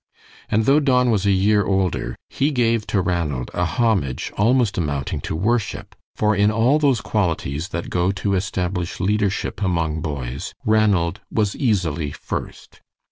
And though Don was a year older, he gave to Ranald a homage almost amounting to worship, for in all those qualities that go to establish leadership among boys, Ranald was easily first.